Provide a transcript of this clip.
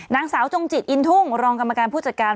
นางสาวจงจิตอินทุ่งรองกรรมการผู้จัดการ